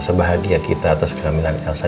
rasa bahagia attas kehamilan elsa ma